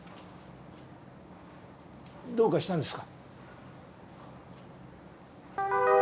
どうかしたんですか？